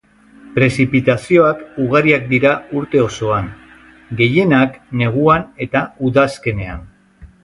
Prezipitazioak ugariak dira urte osoan, gehienak neguan eta udazkenean.